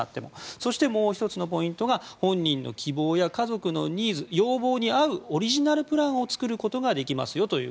そして、もう１つのポイントが本人の希望や家族のニーズ、要望に合うオリジナルプランを作ることができますよと。